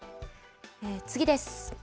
次です。